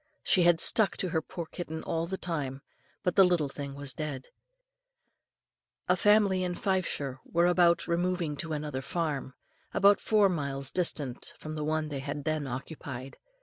She had stuck to her poor kitten all the time; but the little thing was dead. A family in Fifeshire were about removing to another farm, about four miles distant from the one they then occupied.